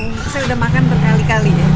yang saya sudah makan berkali kali ya